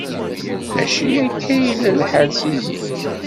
Mačči akka i yella lḥal si zik.